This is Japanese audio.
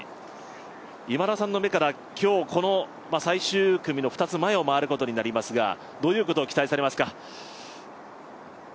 今田さんの目から、今日この最終組の２つ前を回ることになりますがどういうことを期待されますか。